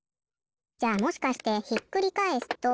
じゃあもしかしてひっくりかえすと。